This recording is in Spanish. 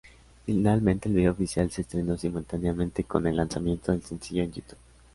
Finalmente el video oficial se estrenó simultáneamente con el lanzamiento del sencillo en YouTube.